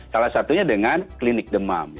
salah satunya dengan klinik demam